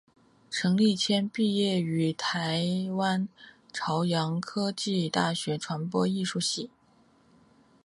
陈立谦毕业于台湾朝阳科技大学传播艺术系。